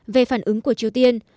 về phản ứng của triều tiên